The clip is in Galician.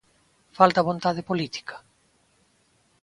Falta vontade política?